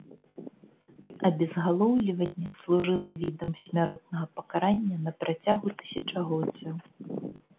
Абезгалоўліванне служыла відам смяротнага пакарання на працягу тысячагоддзяў.